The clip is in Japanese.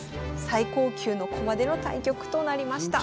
最高級の駒での対局となりました。